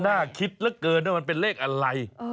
น่าคิดเหลือเกินว่ามันเป็นเลขอะไร